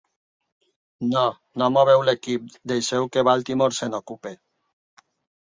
No, no moveu l'equip, deixeu que Baltimore se n'ocupi.